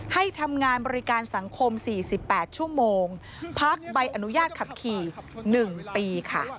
ให้ทำงานบริการสังคม๔๘ชั่วโมงพักใบอนุญาตขับขี่๑ปีค่ะ